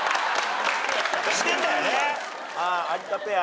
有田ペア。